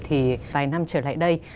thì vài năm trở lại đây